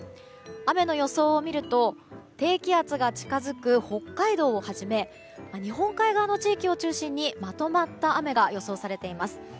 雨の予想を見ると低気圧が近づく北海道をはじめ日本海側の地域を中心にまとまった雨が予想されています。